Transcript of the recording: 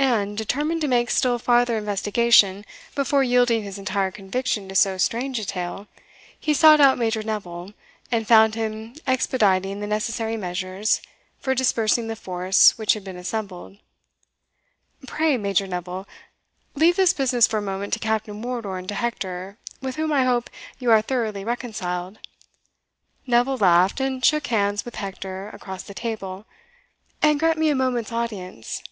And, determined to make still farther investigation before yielding his entire conviction to so strange a tale, he sought out Major Neville, and found him expediting the necessary measures for dispersing the force which had been assembled. "Pray, Major Neville, leave this business for a moment to Captain Wardour and to Hector, with whom, I hope, you are thoroughly reconciled" (Neville laughed, and shook hands with Hector across the table), "and grant me a moment's audience."